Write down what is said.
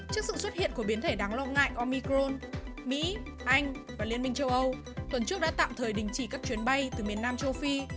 trước sự xuất hiện của biến thể đáng lo ngại omicron mỹ anh và liên minh châu âu tuần trước đã tạm thời đình chỉ các chuyến bay từ miền nam châu phi